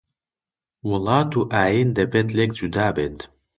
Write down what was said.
وڵات و ئایین دەبێت لێک جودابێت